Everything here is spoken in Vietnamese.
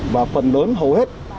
và phần lớn hầu hết